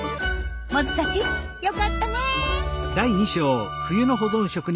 モズたちよかったねえ。